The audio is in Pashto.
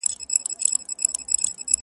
له هر یوه سره د غلو ډلي غدۍ وې دلته؛